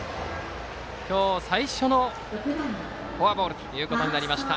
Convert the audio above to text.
今日最初のフォアボールとなりました。